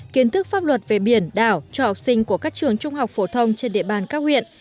kiến thức pháp luật về biển đảo cho học sinh của các trường trung học phổ thông trên địa bàn các huyện